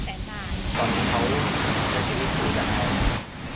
คุณหมูเขาใช้ชีวิตอยู่กับข่าวไหน